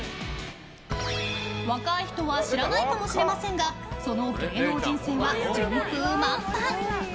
若い人は知らないかもしれませんがその芸能人生は順風満帆。